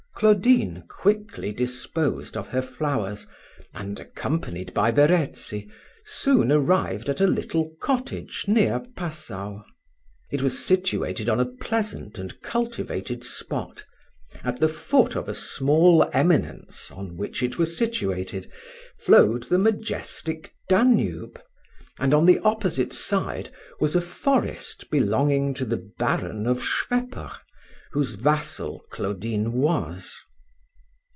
Claudine quickly disposed of her flowers, and accompanied by Verezzi, soon arrived at a little cottage near Passau. It was situated on a pleasant and cultivated spot; at the foot of a small eminence, on which it was situated, flowed the majestic Danube, and on the opposite side was a forest belonging to the Baron of Schwepper, whose vassal Claudine was.